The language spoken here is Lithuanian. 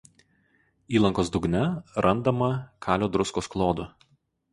Įlankos dugne randama kalio druskos klodų.